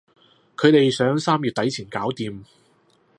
佢哋想三月底前搞掂